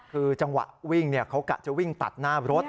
คือจังหวะวิ่งเขากะจะวิ่งตัดหน้ารถ